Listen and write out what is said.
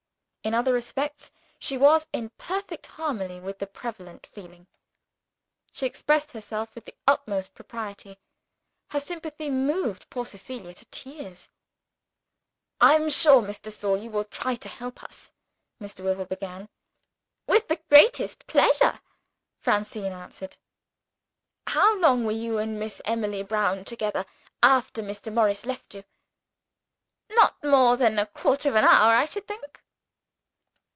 In other respects, she was in perfect harmony with the prevalent feeling. She expressed herself with the utmost propriety; her sympathy moved poor Cecilia to tears. "I am sure, Miss de Sor, you will try to help us?" Mr. Wyvil began "With the greatest pleasure," Francine answered. "How long were you and Miss Emily Brown together, after Mr. Morris left you?" "Not more than a quarter of an hour, I should think."